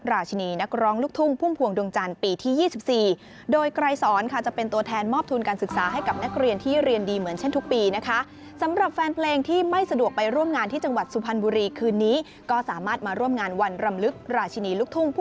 ราชินีนักร้องลูกทุ่งพุ่งพวงดวงจันทร์ปีที่๒๔